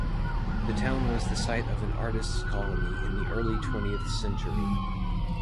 The town was the site of an artist's colony in the early twentieth century.